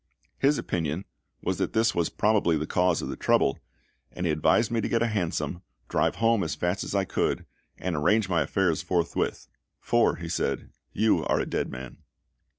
His opinion was that this was probably the cause of the trouble, and he advised me to get a hansom, drive home as fast as I could, and arrange my affairs forthwith. "For," he said, "you are a dead man."